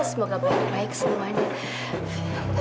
semoga baik baik semuanya